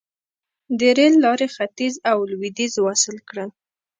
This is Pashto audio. د ریل لارې ختیځ او لویدیځ وصل کړل.